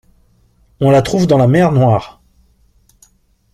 On la trouve dans la Mer Noire.